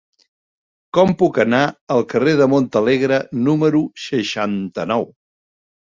Com puc anar al carrer de Montalegre número seixanta-nou?